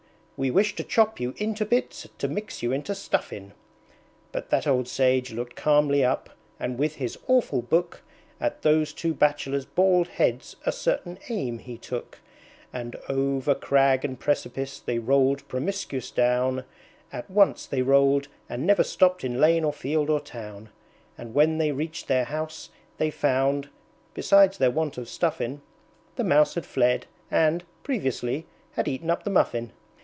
We wish to chop you into bits to mix you into Stuffin'!" But that old Sage looked calmly up, and with his awful book, At those two Bachelors' bald heads a certain aim he took; And over Crag and precipice they rolled promiscuous down, At once they rolled, and never stopped in lane or field or town; And when they reached their house, they found (besides their want of Stuffin'), The Mouse had fled and, previously, had eaten up the Muffin.